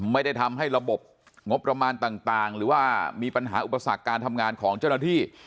ไม่ได้ทำให้ระบบงบประมาณต่างหรือว่ามีปัญหาอุปสรรคการทำงานของเจ้าหน้าที่